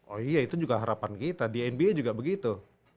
oh iya itu juga harapan kita di nba juga begitu